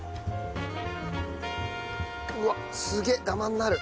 うわっすげえダマになる。